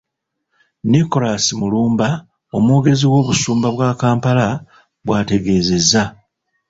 Nicholas Mulumba omwogezi w'Obusumba bwa Kampala bw'ategeezezza.